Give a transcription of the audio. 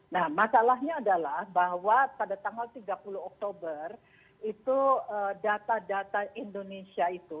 nah masalahnya adalah bahwa pada tanggal tiga puluh oktober itu data data indonesia itu